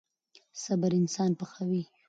صبر انسان پخوي.